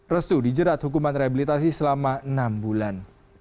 restu dijerat hukuman rehabilitasi selama enam bulan